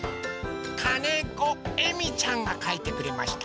かねこえみちゃんがかいてくれました。